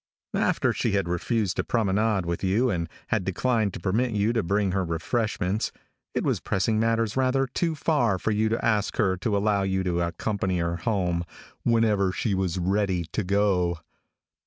After she had refused to promenade with you, and had declined to permit you to bring her refreshments, it was pressing matters rather too far for you to ask her to allow you to accompany her home "whenever she was ready to go."